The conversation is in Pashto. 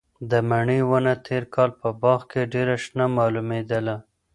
د مڼې ونه تېر کال په باغ کې ډېره شنه معلومېدله.